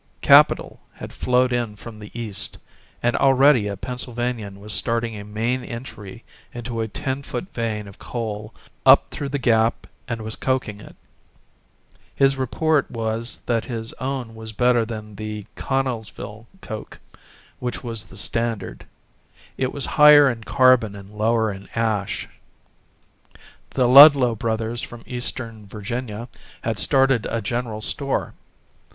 Capital had flowed in from the East, and already a Pennsylvanian was starting a main entry into a ten foot vein of coal up through the gap and was coking it. His report was that his own was better than the Connellsville coke, which was the standard: it was higher in carbon and lower in ash. The Ludlow brothers, from Eastern Virginia, had started a general store.